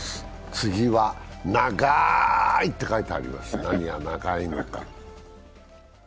次はながいと書いてあります、何が長いのか。